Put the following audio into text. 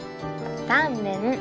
タンメン。